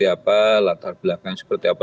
apa latar belakang seperti apa